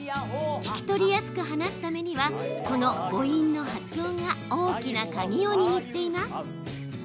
聞き取りやすく話すためにはこの母音の発音が大きな鍵を握っています。